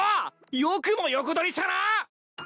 よくも横取りしたな！